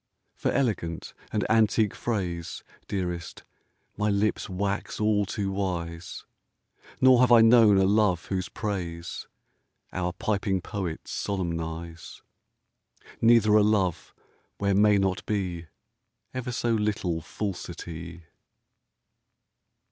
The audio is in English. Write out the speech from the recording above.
For elegant and antique phrase. Dearest, my lips wax all too wise ; Nor have I known a love whose praise Our piping poets solemnize, Neither a love where may not be Ever so little falsity.